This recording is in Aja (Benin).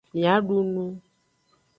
Mia du nu.